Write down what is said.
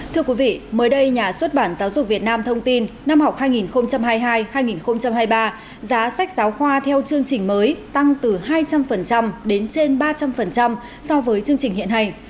thưa quý vị mới đây nhà xuất bản giáo dục việt nam thông tin năm học hai nghìn hai mươi hai hai nghìn hai mươi ba giá sách giáo khoa theo chương trình mới tăng từ hai trăm linh đến trên ba trăm linh so với chương trình hiện hành